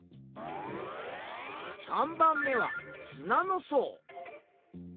３番目は砂の層。